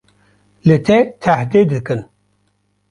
li te tehdê dikin